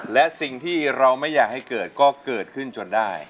และสิ่งที่เราไม่อยากให้เกิดก็เกิดขึ้นจนได้